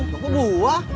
kok lu ah